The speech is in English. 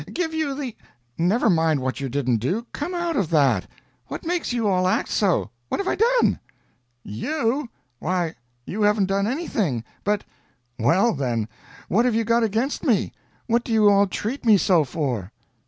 "Give you the " "Never mind what you didn't do come out of that! What makes you all act so? What have I done?" "You? Why you haven't done anything. But " "Well, then, what have you got against me? What do you all treat me so for?"